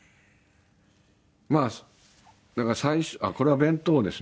まあだからこれは弁当ですね。